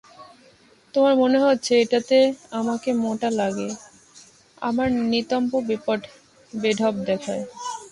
তোমার মনে হচ্ছে এটাতে আমাকে মোটা লাগে, আমার নিতম্ব বেঢপ দেখায়।